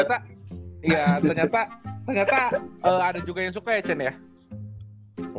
ternyata ada juga yang suka ya cen ya